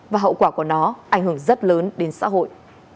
và hậu quả của nó ảnh hưởng rất lớn đến xã hội